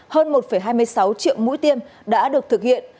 hơn một hai mươi sáu triệu mũi tiêm đã được thực hiện